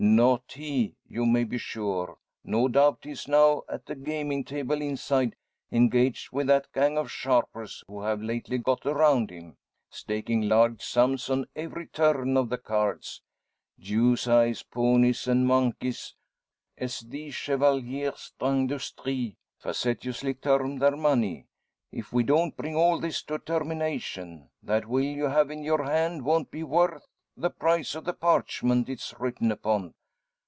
Not he, you may be sure. No doubt he's now at a gaming table inside, engaged with that gang of sharpers who have lately got around him, staking large sums on every turn of the cards Jews' eyes, ponies, and monkeys, as these chevaliers d'industrie facetiously term their money. If we don't bring all this to a termination, that will you have in your hand won't be worth the price of the parchment it's written upon.